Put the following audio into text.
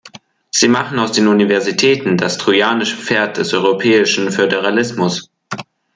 Sie machen aus den Universitäten das Trojanische Pferd des europäischen Föderalismus.